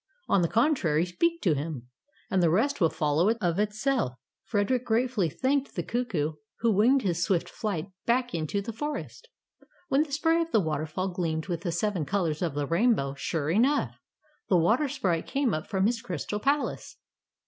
On the con trary, speak to him, and the rest will follow of itself.^' Frederick gratefully thanked the cuckoo, who winged his swift flight back into the forest. When the spray of the waterfall gleamed with the seven colors of the rain bow, sure enough! the water sprite came up from his crystal palace.